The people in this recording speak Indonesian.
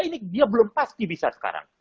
ini dia belum pasti bisa sekarang